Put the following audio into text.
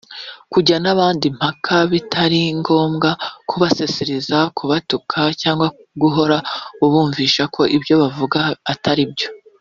kujya n’abandi impaka bitari ngombwa kubaserereza kubatuka cyangwa guhora ubumvisha ko ibyo bavuga atari byo